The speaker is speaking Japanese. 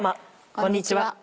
こんにちは。